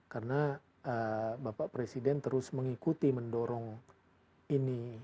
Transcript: karena bapak presiden terus mengikuti mendorong ini